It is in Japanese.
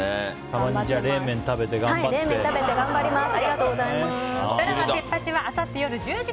冷麺食べて頑張ります。